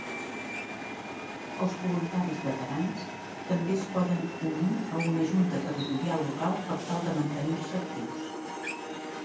Els voluntaris veterans també es poden unir a una junta territorial local per tal de mantenir-se actius.